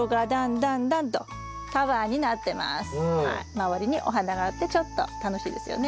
周りにお花があってちょっと楽しいですよね。